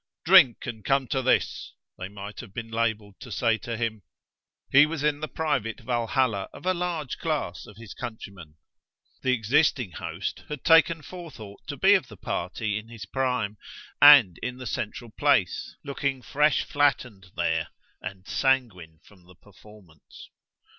"Drink, and come to this!" they might have been labelled to say to him. He was in the private Walhalla of a large class of his countrymen. The existing host had taken forethought to be of the party in his prime, and in the central place, looking fresh fattened there and sanguine from the performance.